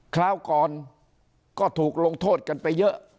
คราวก่อนก็ถูกลงโทษกันไปเยอะ